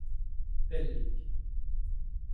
Pellik.